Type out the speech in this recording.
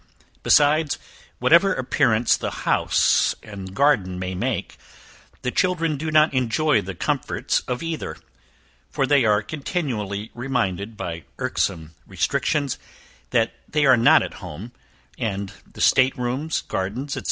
Besides, whatever appearance the house and garden may make, the children do not enjoy the comforts of either, for they are continually reminded, by irksome restrictions, that they are not at home, and the state rooms, garden, etc.